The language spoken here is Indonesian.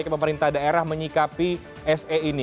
pemerintah daerah menyikapi se ini